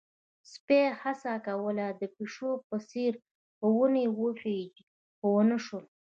سپی هڅه کوله چې د پيشو په څېر په ونې وخيژي، خو ونه شول.